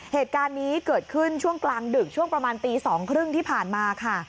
เหตุการณ์นี้เกิดขึ้นช่วงกลางดึกช่วงประมาณตี๒๓๐ที่ผ่านมาค่ะ